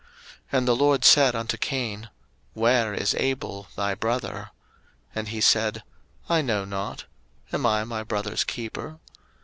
01:004:009 And the LORD said unto Cain, Where is Abel thy brother? And he said, I know not: Am I my brother's keeper?